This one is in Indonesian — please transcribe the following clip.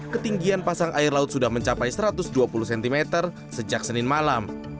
ketinggian pasang air laut sudah mencapai satu ratus dua puluh cm sejak senin malam